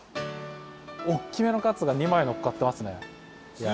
大きめのかつが２枚のっかってますね。